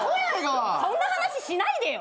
そんな話しないでよ。